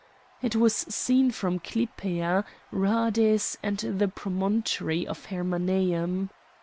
It was seen from Clypea, Rhades, and the promontory of Hermæum.